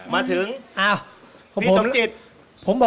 ตัวเนื้อครับ